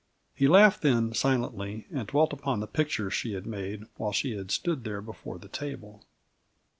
He laughed then, silently, and dwelt upon the picture she had made while she had stood there before the table.